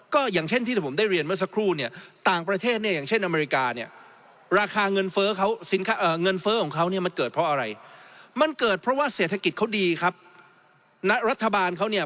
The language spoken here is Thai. ก็อย่างเช่นที่ผมได้เรียนเมื่อสักครู่เนี่ยต่างประเทศเนี่ยอย่างเช่นอเมริกาเนี่ย